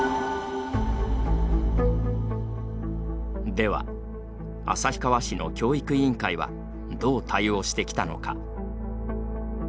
では、旭川市の教育委員会はどう対応してきたのか。